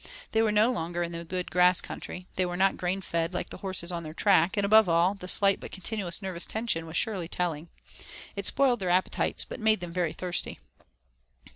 They were no longer in the good grass country, they were not grain fed like the horses on their track, and above all, the slight but continuous nervous tension was surely telling. It spoiled their appetites, but made them very thirsty.